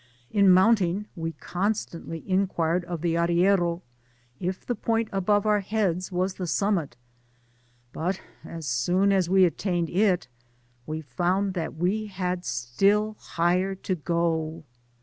In mounting we constantly inquired of the arriero, if the point above our heads was the sum mit, but as soon as we attained it, we found that we had still higher to go.